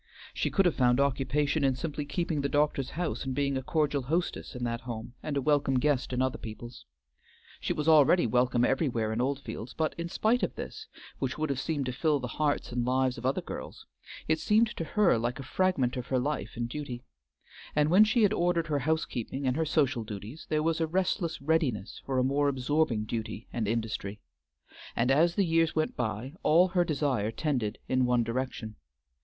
She could have found occupation in simply keeping the doctor's house and being a cordial hostess in that home and a welcome guest in other people's. She was already welcome everywhere in Oldfields, but in spite of this, which would have seemed to fill the hearts and lives of other girls, it seemed to her like a fragment of her life and duty; and when she had ordered her housekeeping and her social duties, there was a restless readiness for a more absorbing duty and industry; and, as the years went by, all her desire tended in one direction.